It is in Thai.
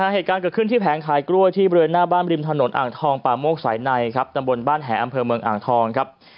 เหตุการณ์เกิดขึ้นที่แผงขายกล้วยที่บริเวณหน้าบ้านริมถนนอ่างทองป่าโมกสายในครับตำบลบ้านแห่อำเภอเมืองอ่างทองครับ